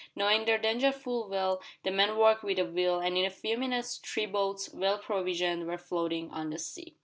Knowing their danger full well, the men worked with a will and in a few minutes three boats, well provisioned, were floating on the sea.